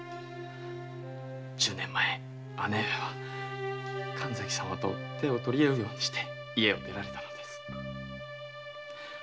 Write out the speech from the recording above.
十年前姉上は神崎様と手を取り合って家を出られたのです。